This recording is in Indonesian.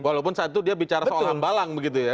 walaupun saat itu dia bicara soal hambalang begitu ya